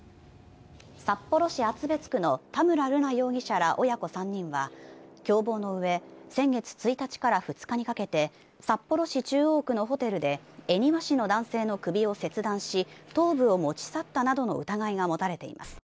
札幌市厚別区の田村瑠奈容疑者ら親子３人は共謀のうえ先月１日から２日にかけて札幌市中央区のホテルで恵庭市の男性の首を切断し頭部を持ち去ったなどの疑いが持たれています。